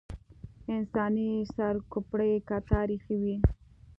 انساني سر کوپړۍ کتار ایښې وې.